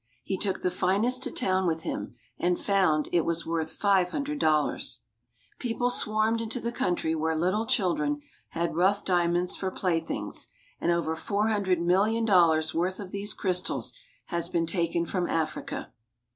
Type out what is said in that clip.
He took the finest to town with him and found it was worth $500. People swarmed into the country where little children had rough diamonds for playthings, and over $400,000,000 worth of these crystals has been taken from Africa.